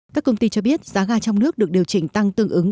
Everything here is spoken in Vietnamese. các công ty cho biết giá ga trong nước được điều chỉnh tăng tương ứng